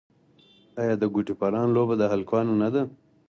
آیا د ګوډي پران لوبه د هلکانو نه ده؟